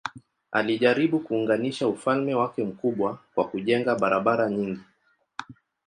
Alijaribu kuunganisha ufalme wake mkubwa kwa kujenga barabara nyingi.